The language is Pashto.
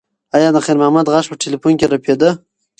ایا د خیر محمد غږ په تلیفون کې رپېده؟